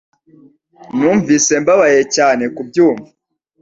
Numvise mbabaye cyane kubyumva